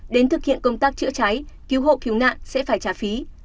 đến thực hiện công tác chữa cháy cứu hộ cứu nạn sẽ phải trả phí